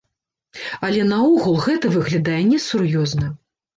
Але наогул, гэта выглядае несур'ёзна.